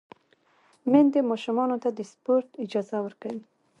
میندې ماشومانو ته د سپورت اجازه ورکوي۔